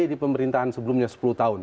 di pemerintahan sebelumnya sepuluh tahun